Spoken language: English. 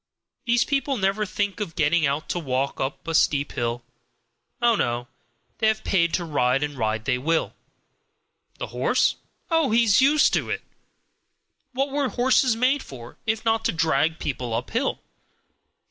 These people never think of getting out to walk up a steep hill. Oh, no, they have paid to ride, and ride they will! The horse? Oh, he's used to it! What were horses made for, if not to drag people uphill?